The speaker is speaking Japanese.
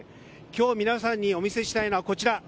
今日、皆さんにお見せしたいのはこちら。